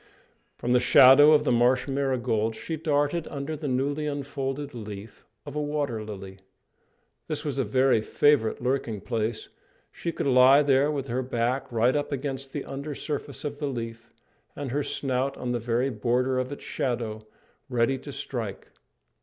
From the shadow of the marsh marigolds she darted under the newly unfolded leaf of a water lily. This was a very favourite lurking place; she could lie there with her back right up against the under surface of the leaf, and her snout on the very border of its shadow, ready to strike.